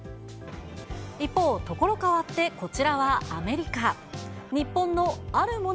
一方、所変わってこちらはアメリカ。